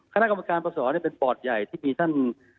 คณะกรรมการปพวศเป็นโปรดใหญ่ที่มีธ่าน